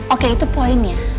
ok itu poinnya